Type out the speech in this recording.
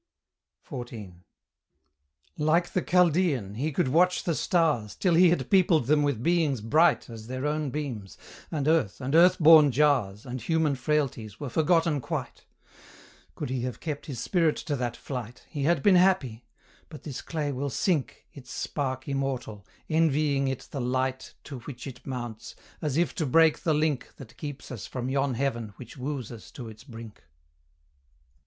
XIV. Like the Chaldean, he could watch the stars, Till he had peopled them with beings bright As their own beams; and earth, and earth born jars, And human frailties, were forgotten quite: Could he have kept his spirit to that flight, He had been happy; but this clay will sink Its spark immortal, envying it the light To which it mounts, as if to break the link That keeps us from yon heaven which woos us to its brink.